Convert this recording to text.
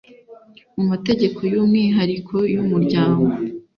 mu mategeko y umwihariko y Umuryango